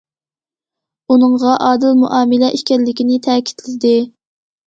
ئۇنىڭغا ئادىل مۇئامىلە ئىكەنلىكىنى تەكىتلىدى.